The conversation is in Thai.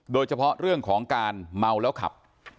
โดยเฉพาะเรื่องของการเมาแล้วขับ